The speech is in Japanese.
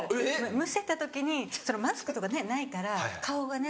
むせた時にマスクとかねないから顔がね